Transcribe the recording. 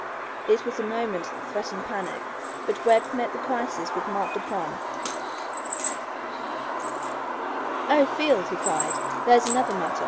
It was a moment that threatened panic, but Webb met the crisis with marked aplomb. "Oh, Field," he cried, "there's another matter.